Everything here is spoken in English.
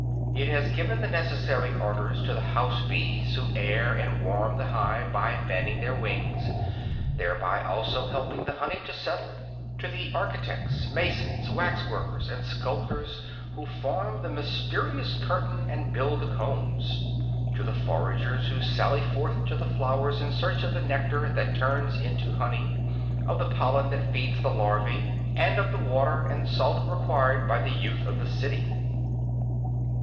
It has given the necessary orders to the house bees who air and warm the hive by fanning their wings, thereby also helping the honey to settle; to the architects, masons, waxworkers and sculptors who form the mysterious curtain and build the combs; to the foragers who sally forth to the flowers in search of the nectar that turns into honey, of the pollen that feeds the larvæ, and of the water and salt required by the youth of the city.